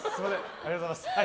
ありがとうございます。